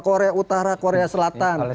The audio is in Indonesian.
korea utara korea selatan